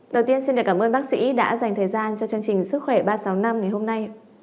đầu tiên xin cảm ơn bác sĩ đã dành thời gian cho chương trình sức khỏe ba trăm sáu mươi năm ngày hôm nay